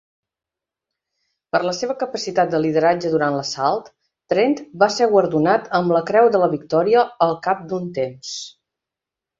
Per la seva capacitat de lideratge durant l'assalt, Trent va ser guardonat amb la Creu de la Victòria al cap d'un temps.